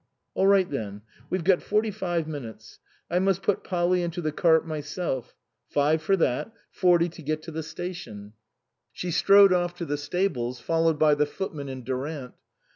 " All right then. We've got forty five minutes. I must put Polly into the cart myself. Five for that ; forty to get to the station." 120 INLAND She strode off to the stables, followed by the footman and Durant.